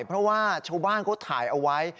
เพราะว่าชาวบ้านเขาถ่ายเอาไว้